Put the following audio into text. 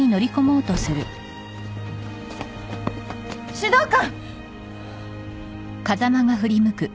指導官！